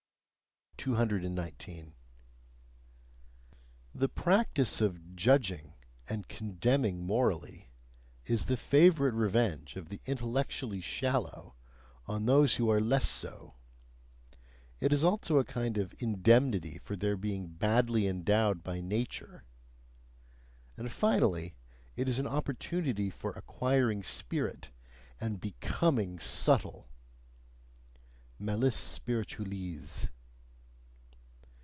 219. The practice of judging and condemning morally, is the favourite revenge of the intellectually shallow on those who are less so, it is also a kind of indemnity for their being badly endowed by nature, and finally, it is an opportunity for acquiring spirit and BECOMING subtle malice spiritualises.